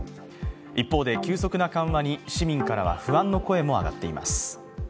一方で、急速な緩和に、市民からは不安の声も上がっています。